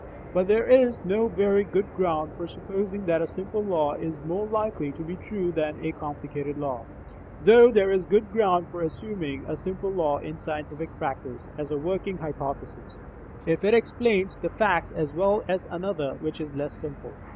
But there is no very good ground for supposing that a simple law is more likely to be true than a complicated law, though there is good ground for assuming a simple law in scientific practice, as a working hypothesis, if it explains the facts as well as another which is less simple.